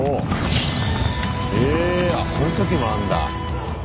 えそういう時もあんだ。